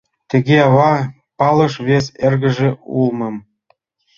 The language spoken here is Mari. Тыге ава палыш вес эргыже улмым.